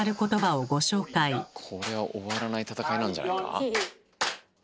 これは終わらない戦いなんじゃないか？